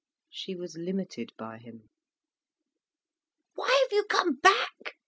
She was limited by him. "Why have you come back?"